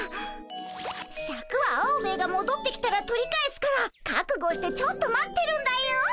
シャクはアオベエがもどってきたら取り返すから覚悟してちょっと待ってるんだよ。